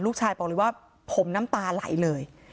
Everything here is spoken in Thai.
ลูกชายบอกเลยว่าผมน้ำตาไหลเลย